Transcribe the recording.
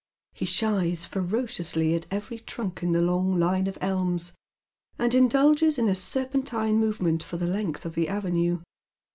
He shies ferociously at every trunk in the long line of elms, and indulges in a serpentine movement for the length of the avenue.